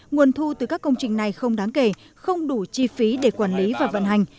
nguồn thu từ các công trình này không đáng kể không đủ chi phí để quản lý và vận hành